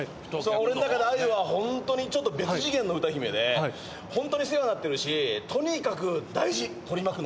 俺の中であゆはホントに別次元の歌姫でホントに世話になってるしとにかく大事取り巻くのは。